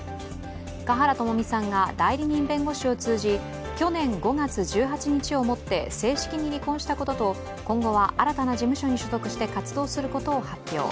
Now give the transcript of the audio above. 華原朋美さんが代理人弁護士を通じ去年５月１８日をもって正式に離婚したことと今後は新たな事務所に所属して活動することを発表。